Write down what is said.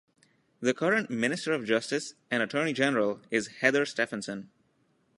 The current Minister of Justice and Attorney General is Heather Stefanson.